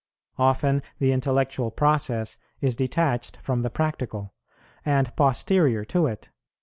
Often the intellectual process is detached from the practical, and posterior to it.